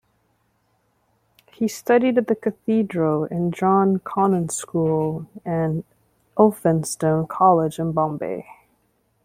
He studied at The Cathedral and John Connon School and Elphinstone College in Bombay.